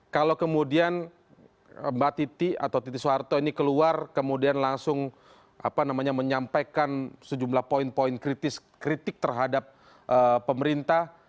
kalau kemudian mbak titi atau titi soeharto ini keluar kemudian langsung menyampaikan sejumlah poin poin kritik terhadap pemerintah